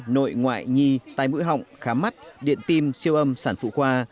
nội ngoại nhi tai mũi họng khám mắt điện tim siêu âm sản phụ khoa